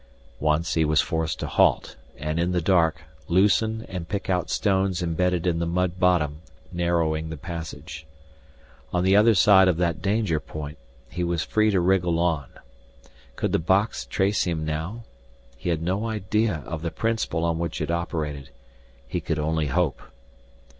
Once he was forced to halt and, in the dark, loosen and pick out stones embedded in the mud bottom narrowing the passage. On the other side of that danger point, he was free to wriggle on. Could the box trace him now? He had no idea of the principle on which it operated; he could only hope.